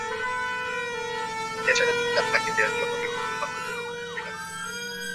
এছাড়া তিনি তার ভাইকে দেয়ার জন্যে বিপুল পরিমাণ উপঢৌকন তৈরি রাখলেন।